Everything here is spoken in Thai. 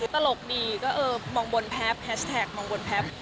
ตลกดีก็โมงบนแพพแฮชแท็กโมงบนแพพ